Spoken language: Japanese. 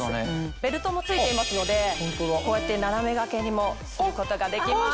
ベルトも付いていますのでこうやってななめ掛けにもすることができます。